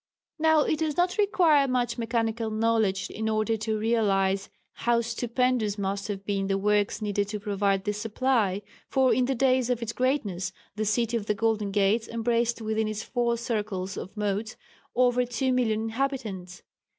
Now it does not require much mechanical knowledge in order to realize how stupendous must have been the works needed to provide this supply, for in the days of its greatness the "City of the Golden Gates" embraced within its four circles of moats over two million inhabitants.